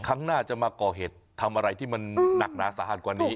ครั้งหน้าจะมาก่อเหตุทำอะไรที่มันหนักหนาสาหัสกว่านี้